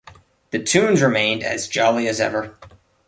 The tunes remained as jolly as ever.